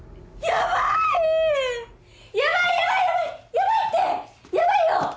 やばいよ！